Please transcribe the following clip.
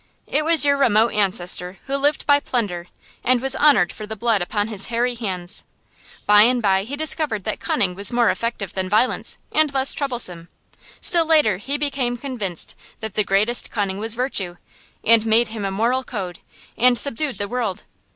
It was your remote ancestor who lived by plunder, and was honored for the blood upon his hairy hands. By and by he discovered that cunning was more effective than violence, and less troublesome. Still later he became convinced that the greatest cunning was virtue, and made him a moral code, and subdued the world.